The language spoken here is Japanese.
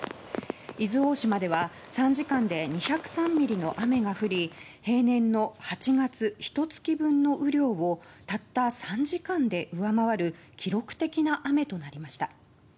伊豆大島では３時間で２０３ミリの雨が降り平年の８月ひと月分の雨量をたった３時間で上回る記録的な雨となりました。